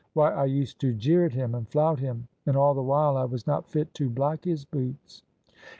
Why, I used to jeer at him and flout him, and all the while I was not fit to black his boots!"